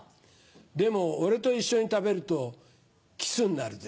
でも俺と一緒に食べるとキスになるぜ。